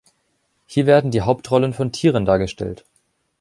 Hier werden die Hauptrollen von Tieren dargestellt.